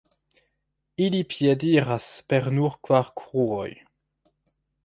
Ili piediras per nur kvar kruroj.